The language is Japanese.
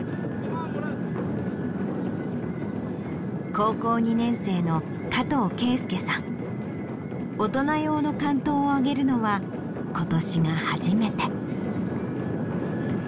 高校２年生の大人用の竿燈を上げるのは今年が初めて。